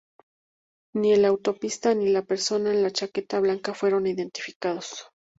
Ni el autoestopista ni la persona en la chaqueta blanca fueron identificados.